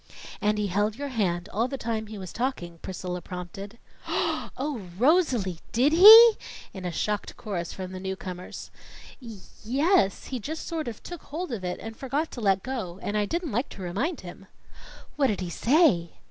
"And he held your hand all the time he was talking," Priscilla prompted. "Oh, Rosalie! Did he?" in a shocked chorus from the newcomers. "Y yes. He just sort of took hold of it and forgot to let go, and I didn't like to remind him." "What did he say?"